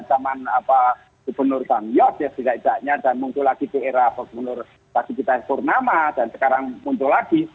zaman pembenur pamyot dan muncul lagi di era pembenur pasifitas purnama dan sekarang muncul lagi